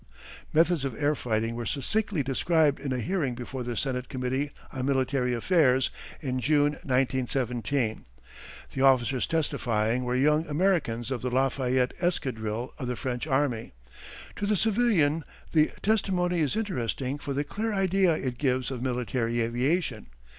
Methods of air fighting were succinctly described in a hearing before the Senate Committee on Military Affairs, in June, 1917. The officers testifying were young Americans of the Lafayette Escadrille of the French army. To the civilian the testimony is interesting for the clear idea it gives of military aviation.